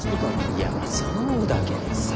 いやまぁそうだけどさ。